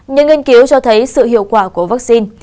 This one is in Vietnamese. những nghiên cứu cho thấy sự hiệu quả của vaccine